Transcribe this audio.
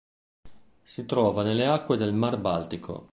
Si trova nelle acque del mar Baltico.